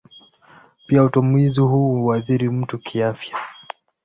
Pia utumizi huu huathiri mtu kiafya.